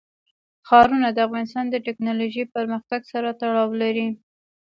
ښارونه د افغانستان د تکنالوژۍ پرمختګ سره تړاو لري.